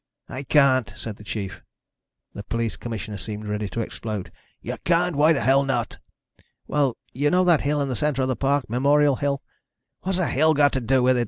"I can't," said the chief. The police commissioner seemed ready to explode. "You can't? Why the hell not?" "Well, you know that hill in the center of the park? Memorial Hill?" "What has a hill got to do with it?"